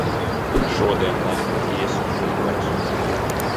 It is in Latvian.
Šodien ne. Iesim, mīļais.